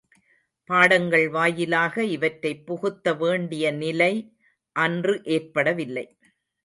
பாடங்கள் வாயிலாக இவற்றைப் புகுத்த வேண்டிய நிலை அன்று ஏற்படவில்லை.